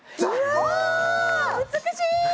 お美しい！